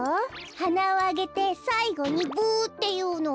はなをあげてさいごにブっていうの。